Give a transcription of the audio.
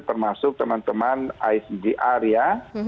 termasuk teman teman icgr ya